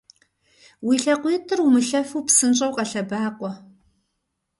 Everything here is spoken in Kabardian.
Уи лъакъуитӏыр умылъэфу псынщӏэу къэлъэбакъуэ!